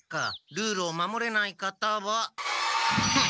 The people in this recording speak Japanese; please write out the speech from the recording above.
ルールを守れない方は。